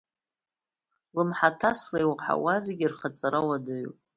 Лымҳаҭасла иуаҳауа зегьы рхаҵара уадаҩуп!